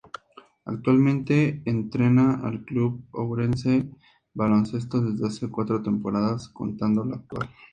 Actualmente entrena al Club Ourense Baloncesto, desde hace cuatro temporadas, contando la actual.